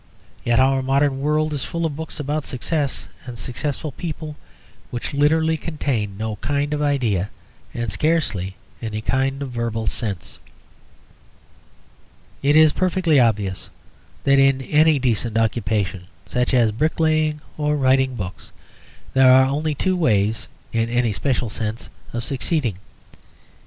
Yet our modern world is full of books about Success and successful people which literally contain no kind of idea, and scarcely any kind of verbal sense. It is perfectly obvious that in any decent occupation (such as bricklaying or writing books) there are only two ways (in any special sense) of succeeding.